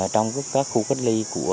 trong các khu cách ly